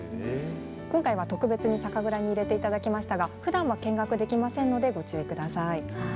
今回は特別に酒蔵に入れていただきましたがふだんは見学できませんのでご注意ください。